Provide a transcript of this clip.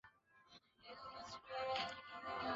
胰管是将胰脏外分泌腺的分泌物。